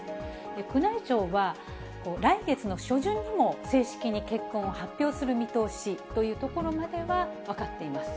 宮内庁は、来月の初旬にも正式に結婚を発表する見通しというところまでは分かっています。